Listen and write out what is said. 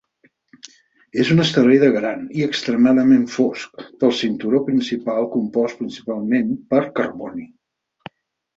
És un asteroide gran, i extremadament fosc, del cinturó principal compost principalment per carboni.